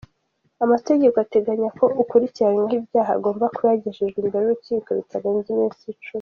Amategeko ateganya ko ukurikiranyweho ibyaha agomba kuba yagejejwe imbere y’urukiko bitarenze iminsi icumi.